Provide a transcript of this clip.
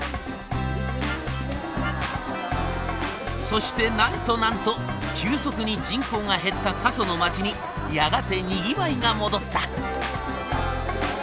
そしてなんとなんと急速に人口が減った過疎の町にやがてにぎわいが戻った。